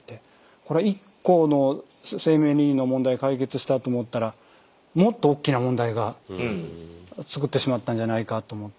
これは一個の生命倫理の問題解決したと思ったらもっと大きな問題が作ってしまったんじゃないかと思って。